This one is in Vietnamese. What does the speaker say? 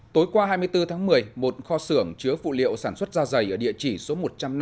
tối qua hai mươi bốn tháng một mươi một kho xưởng chứa phụ liệu sản xuất da dày ở địa chỉ số một trăm năm mươi